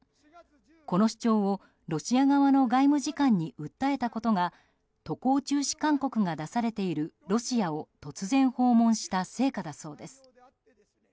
この主張を、ロシア側の外務次官に訴えたことが渡航中止勧告が出されているロシアを突然訪問した成果だそうです。